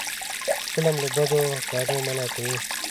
فلم له بدو کارونو منع کوي